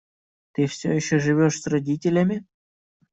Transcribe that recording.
Ты все еще живешь с родителями?